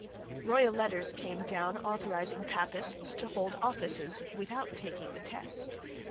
Royal letters came down authorising Papists to hold offices without taking the test.